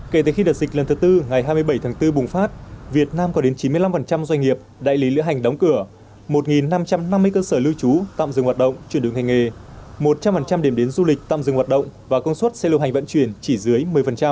kể từ khi đợt dịch lần thứ tư ngày hai mươi bảy tháng bốn bùng phát việt nam có đến chín mươi năm doanh nghiệp đại lý lữ hành đóng cửa một năm trăm năm mươi cơ sở lưu trú tạm dừng hoạt động chuyển đường hành nghề một trăm linh điểm đến du lịch tạm dừng hoạt động và công suất xe lưu hành vận chuyển chỉ dưới một mươi